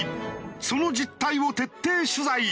その実態を徹底取材！